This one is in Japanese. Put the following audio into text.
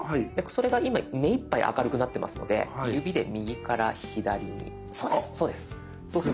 それが今目いっぱい明るくなってますので指で右から左にそうですそうです。